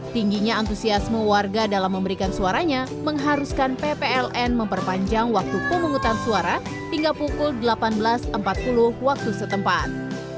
tingginya antusiasme warga dalam memberikan suaranya mengharuskan ppln memperpanjang waktu pemungutan suara hingga pukul delapan belas empat puluh waktu setempat